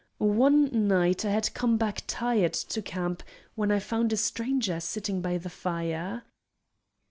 One night I had come back tired to camp, when I found a stranger sitting by the fire.